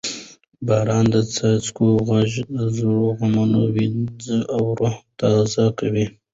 د باران د څاڅکو غږ د زړه غمونه وینځي او روح تازه کوي.